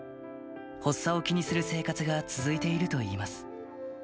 発作を気にする生活が続いているといいます。